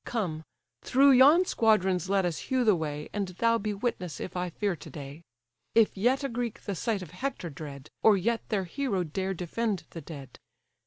Come, through yon squadrons let us hew the way, And thou be witness, if I fear to day; If yet a Greek the sight of Hector dread, Or yet their hero dare defend the dead."